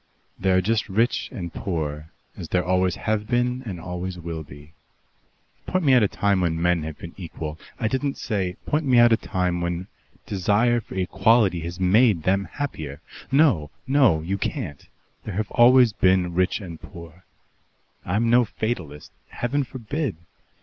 There are just rich and poor, as there always have been and always will be. Point me out a time when men have been equal " "I didn't say " "Point me out a time when desire for equality has made them happier. No, no. You can't. There always have been rich and poor. I'm no fatalist. Heaven forbid!